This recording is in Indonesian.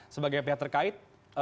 sebagai pihak terkait